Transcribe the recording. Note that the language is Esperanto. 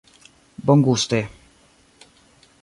bonguste